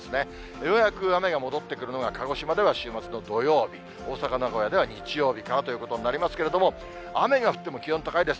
ようやく雨が戻ってくるのが鹿児島では週末の土曜日、大阪、名古屋では日曜日からということになりますけれども、雨が降っても気温高いです。